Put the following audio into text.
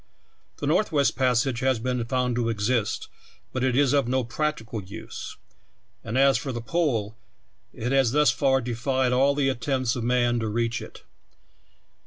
The Northwest Passage has been found to exist, but it is of no practical use ; and as for the Pole, it has thus far defied all the attempts of man to reach it.